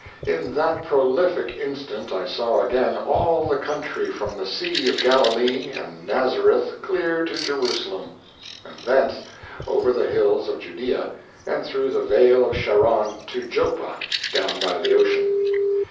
In that prolific instant I saw again all the country from the Sea of Galilee and Nazareth clear to Jerusalem, and thence over the hills of Judea and through the Vale of Sharon to Joppa, down by the ocean.